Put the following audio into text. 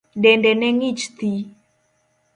Dende ne ng'ich thii.